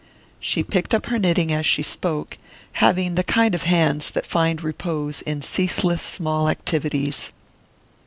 She picked up her knitting as she spoke, having the kind of hands that find repose in ceaseless small activities.